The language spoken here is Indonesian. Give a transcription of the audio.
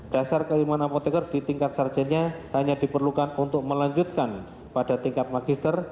dasar keiman apoteker di tingkat sarjennya hanya diperlukan untuk melanjutkan pada tingkat magister